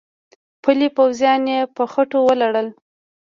پلي پوځیان يې په خټو ولړل.